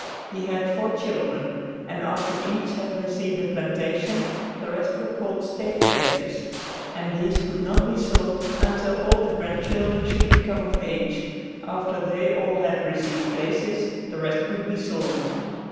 He had four children, and after each had received a plantation, the rest were called state places, and these could not be sold until all the grandchildren should become of age; after they all had received places, the rest could be sold.